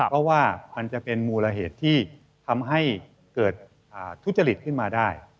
เพราะว่ามันจะเป็นมูลเหตุที่ทำให้เกิดทุจริตขึ้นมาได้